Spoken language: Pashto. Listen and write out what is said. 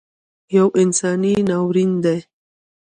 یو انساني ناورین دی